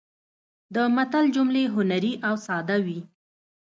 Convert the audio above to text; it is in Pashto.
د متل جملې هنري او ساده وي